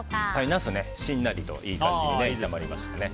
ナス、しんなりといい感じに炒まりましたね。